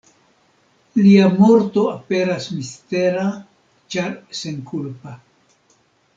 Lia morto aperas mistera ĉar senkulpa.